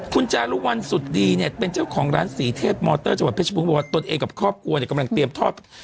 คุณจารุวัลสุดดีเนี่ยเป็นเจ้าของร้านสีเทพมอเตอร์จังหวัดเพชรบูรบอกว่าตนเองกับครอบครัวเนี่ยกำลังเตรียมทอด